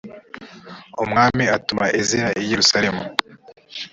umwami atuma ezira i yerusalemu